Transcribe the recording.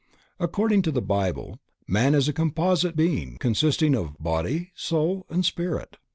According to the Bible man is a composite being consisting of body, soul and spirit.